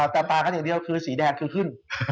แต่ต่างกันอย่างเดียวคือสีแดงคือขึ้น